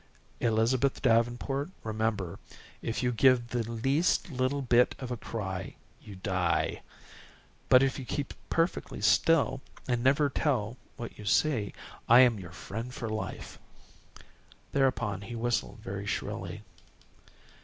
"Elizabeth Davenport, remember. If you give the least little bit of a cry, you die. But, if you keep perfectly still, and never tell what you see, I am your friend for life." Thereupon he whistled very shrilly.